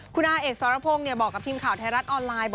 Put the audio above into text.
คุณอาเอกสรพงศ์บอกกับทีมข่าวไทยรัฐออนไลน์